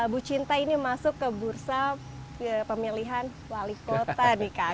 bu cinta ini masuk ke bursa pemilihan wali kota nih kak